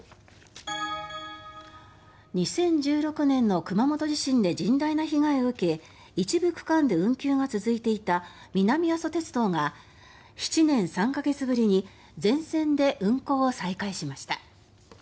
２０１６年の熊本地震で甚大な被害を受け一部区間で運休が続いていた南阿蘇鉄道が７年３か月ぶりに全線で運行を再開しました。